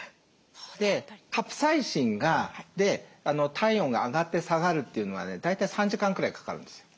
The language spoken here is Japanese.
カプサイシンが体温が上がって下がるというのはね大体３時間くらいかかるんですよ。